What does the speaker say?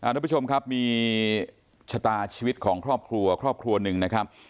ทุกผู้ชมครับมีชะตาชีวิตของครอบครัวครอบครัวหนึ่งนะครับ